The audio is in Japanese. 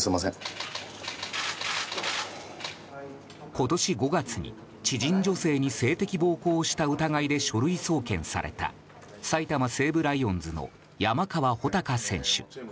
今年５月に知人女性に性的暴行をした疑いで書類送検された埼玉西武ライオンズの山川穂高選手。